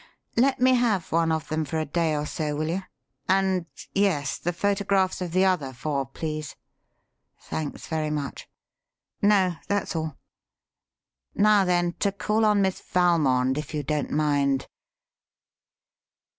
Let me have one of them for a day or so, will you? and yes the photographs of the other four, please. Thanks very much. No, that's all. Now then, to call on Miss Valmond, if you don't mind.